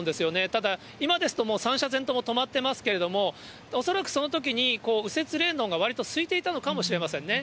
ただ、今ですと、３車線とも止まってますけれども、恐らくそのときに、右折レーンのほうがわりとすいていたのかもしれませんね。